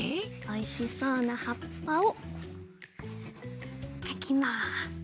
おいしそうなはっぱをかきます。